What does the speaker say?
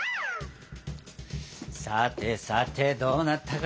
さてさてどうなったかな？